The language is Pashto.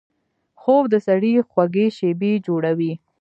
خوب د سړي خوږې شیبې جوړوي